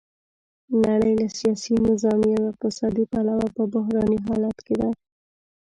نړۍ له سیاسي، نظامي او اقتصادي پلوه په بحراني حالت کې ده.